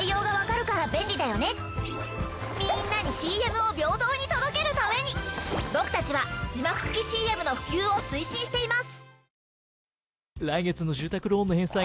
みんなにＣＭを平等に届けるために僕たちは字幕付きＣＭの普及を推進しています。